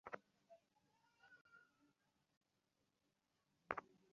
ছেলেটি যে তাহারই বাড়ির নম্বর খুঁজিতেছিল সে সম্বন্ধে তাহার মনে সন্দেহমাত্র হয় নাই।